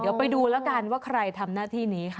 เดี๋ยวไปดูแล้วกันว่าใครทำหน้าที่นี้ค่ะ